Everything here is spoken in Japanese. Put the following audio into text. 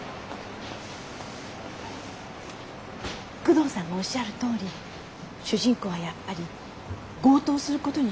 久遠さんがおっしゃるとおり主人公はやっぱり強盗をすることにしようかと。